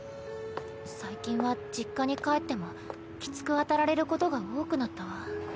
最近は実家に帰ってもきつく当たられることが多くなったわ。